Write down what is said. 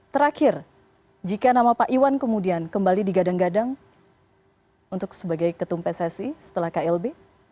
terakhir jika nama pak iwan kemudian kembali digadang gadang untuk sebagai ketum pssi setelah klb